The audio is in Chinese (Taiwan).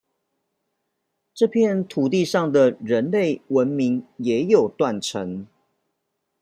這片土地上的人類文明也有「斷層」